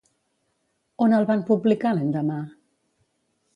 On el van publicar l'endemà?